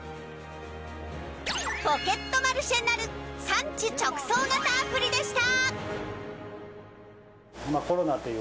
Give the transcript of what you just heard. ポケットマルシェなる産地直送型アプリでした。